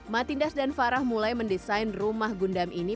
matindas dan farah mulai mendesain rumah gundam ini